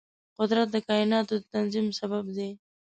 قدرت د کایناتو د تنظیم سبب دی.